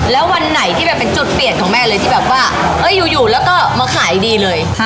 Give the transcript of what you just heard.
แล้ววันไหนที่แบบเป็นจุดเปลี่ยนของแม่เลยที่แบบว่าอยู่แล้วก็มาขายดีเลย